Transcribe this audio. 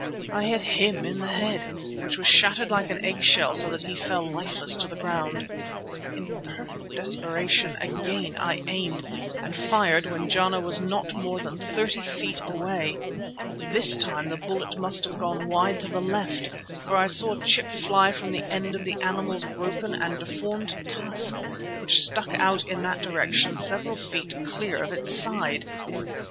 I hit him in the head, which was shattered like an eggshell, so that he fell lifeless to the ground. In perfect desperation again I aimed, and fired when Jana was not more than thirty feet away. This time the bullet must have gone wide to the left, for I saw a chip fly from the end of the animal's broken and deformed tusk, which stuck out in that direction several feet clear of its side.